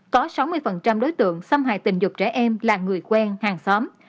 có sáu mươi đối tượng xâm hại tình dục trẻ em là người quen hàng xóm